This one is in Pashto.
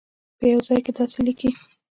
په یوه ځای کې داسې لیکي.